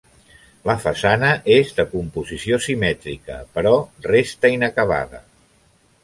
La façana és de composició simètrica però resta inacabada.